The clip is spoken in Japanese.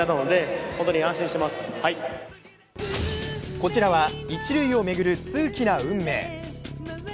こちらは一塁を巡る数奇な運命。